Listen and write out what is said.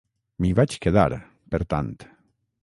M'hi vaig quedar, per tant.